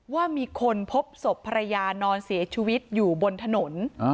ว่ามีคนพบศพภรรยานอนเสียชีวิตอยู่บนถนน